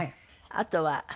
あとは。